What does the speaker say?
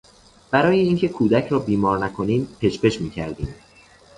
برای اینکه کودک را بیدار نکنیم پچ پچ میکردیم.